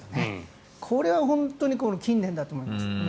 これは本当に近年だと思います。